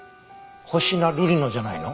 星名瑠璃のじゃないの？